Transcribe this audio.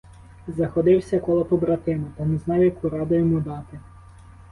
Заходився коло побратима, та не знав, яку раду йому дати.